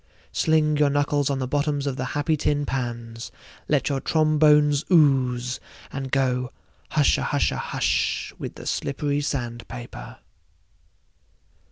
Sling your knuckles on the bottoms of the happy tin pans, let your trombones ooze, and go hushahusha hush with the slippery sand paper.